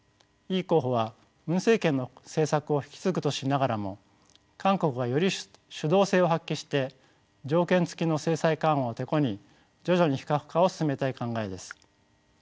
イ候補はムン政権の政策を引き継ぐとしながらも韓国がより主導性を発揮して条件付きの制裁緩和をテコに徐々に非核化を進めたい考えです。